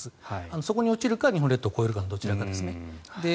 そこに落ちるか日本列島を越えるかのどちらかですね。